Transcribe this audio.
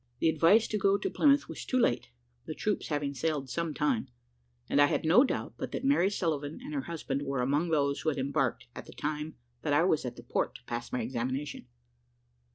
The advice to go to Plymouth was too late, the troops having sailed some time; and I had no doubt but that Mary Sullivan and her husband were among those who had embarked at the time that I was at the port to pass my examination.